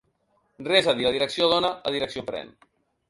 Res a dir: la direcció dona, la direcció pren.